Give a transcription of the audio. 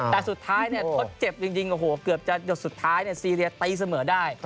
แต่สุดท้ายทดเจ็บจริงโอ้โหเกือบจะหยดสุดท้ายซีเรียตีเสมอได้